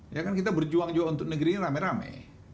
ya kan kita berjuang juga untuk negeri ini rame rame